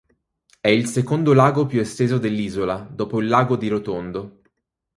È il secondo lago più esteso dell'isola, dopo il Lago di Rotondo.